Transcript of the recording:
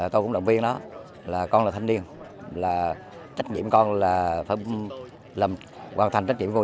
tôi cũng động viên đó là con là thanh niên là trách nhiệm con là hoàn thành trách nhiệm của tôi